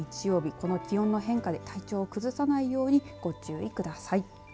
この気温の変化で体調を崩さないようにご注意ください。